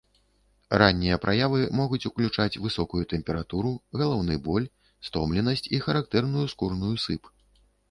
Раннія праявы могуць ўключаць высокую тэмпературу, галаўны боль, стомленасць і характэрную скурную сып.